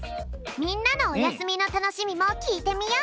みんなのおやすみのたのしみもきいてみよう。